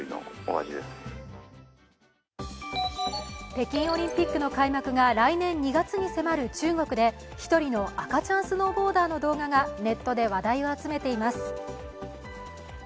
北京オリンピックの開幕が来年２月に迫る中国で１人の赤ちゃんスノーボーダーの動画がネットで話題を集めています。